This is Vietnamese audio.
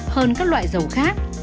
hơn các loại dầu khác